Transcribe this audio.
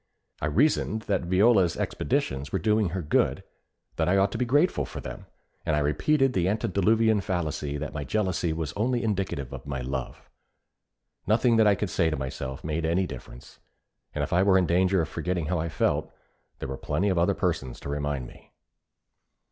I reasoned that Viola's expeditions were doing her good, that I ought to be grateful for them, and I repeated the antediluvian fallacy that my jealousy was only indicative of my love. Nothing that I could say to myself made any difference; and if I were in danger of forgetting how I felt, there were plenty of other persons to remind me.